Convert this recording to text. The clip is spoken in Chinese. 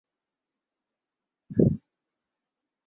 固体物理学是凝聚态物理学中最大的分支。